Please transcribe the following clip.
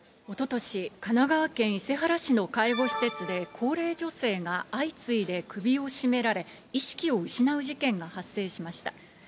おととし、神奈川県伊勢原市の介護施設で高齢女性が相次いで首を絞められ、意識を失う事件が発生しました。